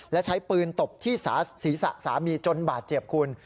และใช้ปืนตบที่ศีรษะสามีจนบาดเจ็บคุณ